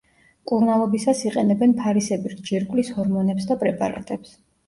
მკურნალობისას იყენებენ ფარისებრი ჯირკვლის ჰორმონებს და პრეპარატებს.